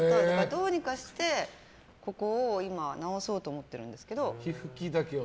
どうにかしてここを今直そうと思っているんですけど。